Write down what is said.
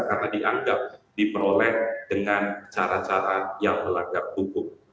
karena dianggap diperoleh dengan cara cara yang melanggar hukum